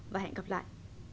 và hẹn gặp lại